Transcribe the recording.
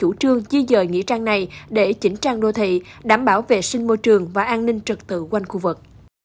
chủ trương di dời nghĩa trang này để chỉnh trang đô thị đảm bảo vệ sinh môi trường và an ninh trực tự quanh khu vực